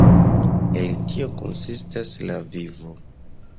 El tio konsistas la vivo.